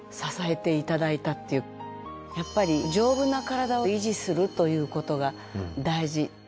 やっぱり丈夫なカラダを維持するということが大事。